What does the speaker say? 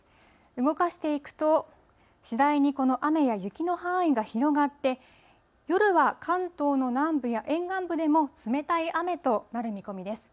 動かしていくと、次第にこの雨や雪の範囲が広がって、夜は関東の南部や沿岸部でも、冷たい雨となる見込みです。